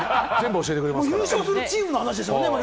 優勝するチームの話ですよね？